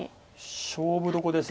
勝負どこです。